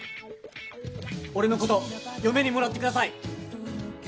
俺のこと嫁にもらってください。